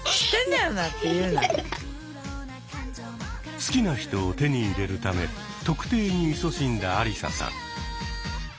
好きな人を手に入れるため「特定」にいそしんだアリサさん。